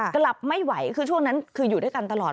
กลับไม่ไหวคือช่วงนั้นคืออยู่ด้วยกันตลอด